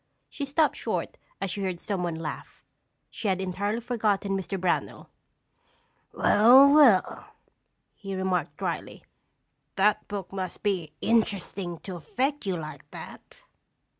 She stopped short as she heard someone laugh. She had entirely forgotten Mr. Brownell. "Well, well," he remarked dryly, "that book must be interesting to affect you like that!"